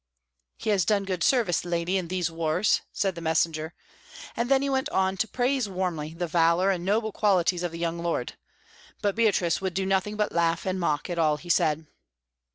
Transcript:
"He has done good service, lady, in these wars," said the messenger; and then he went on to praise warmly the valour and noble qualities of the young lord; but Beatrice would do nothing but laugh and mock at all he said.